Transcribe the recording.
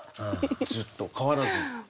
ずっと変わらず。